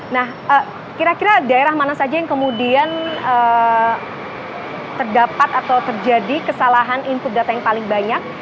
nah kira kira daerah mana saja yang kemudian terdapat atau terjadi kesalahan input data yang paling banyak